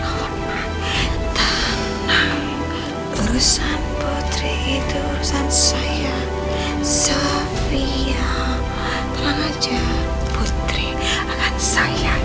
enak enak ya kalian ya